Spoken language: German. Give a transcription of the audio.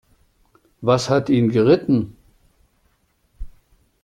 Was hat ihn geritten?